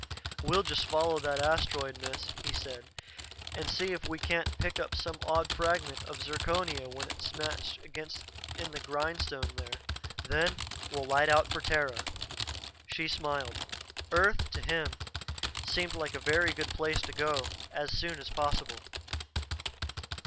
"We'll just follow that asteroid, Miss," he said, "and see if we can't pick up some odd fragment of zirconia when it's smashed in the grindstone there. Then we'll light out for Terra." She smiled. Earth, to him, seemed like a very good place to go as soon as possible.